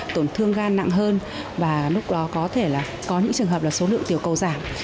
tổn thương gan nặng hơn và lúc đó có những trường hợp là số lượng tiểu cầu giảm